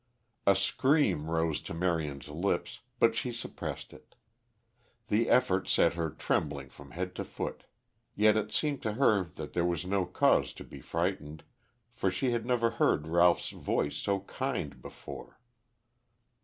A scream rose to Marion's lips, but she suppressed it. The effort set her trembling from head to foot. Yet it seemed to her that there was no cause to be frightened, for she had never heard Ralph's voice so kind before.